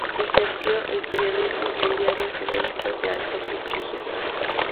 Ejerció el periodismo en diarios y revistas de alto prestigio.